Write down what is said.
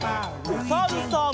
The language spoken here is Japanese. おさるさん。